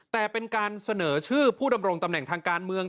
แต่เป็นการเสนอชื่อผู้ดำรงตำแหน่งทางการเมือง